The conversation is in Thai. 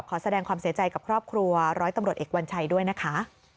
ขอแสดงความเสียใจกับครอบครัวร้อยตำรวจเอกวัญชัยด้วยนะคะ